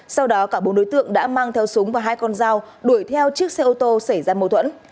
sau đó cả bốn đối tượng đã mang theo súng và hai con dao đuổi theo chiếc xe ô tô xảy ra mâu thuẫn